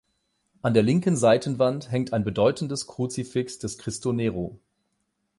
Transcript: An der linken Seitenwand hängt ein bedeutendes Kruzifix des Cristo Nero.